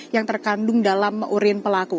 yang terkandung dalam urin pelaku